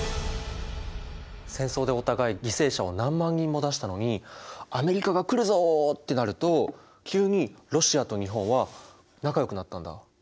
戦争でお互い犠牲者を何万人も出したのに「アメリカが来るぞ」ってなると急にロシアと日本は仲よくなったんだ。